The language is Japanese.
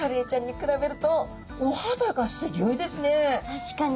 確かに！